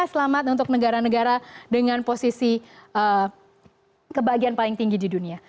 selamat untuk negara negara dengan posisi kebahagiaan paling tinggi di dunia